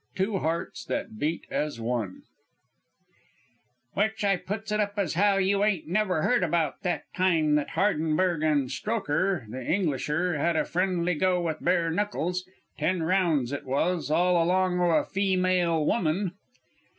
] TWO HEARTS THAT BEAT AS ONE "Which I puts it up as how you ain't never heard about that time that Hardenberg and Strokher the Englisher had a friendly go with bare knuckles ten rounds it was all along o' a feemale woman?"